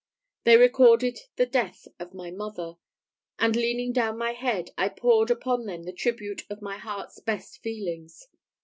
They recorded the death of my mother; and leaning down my head, I poured upon them the tribute of my heart's best feelings.